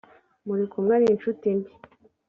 muri kumwe ari incuti mbi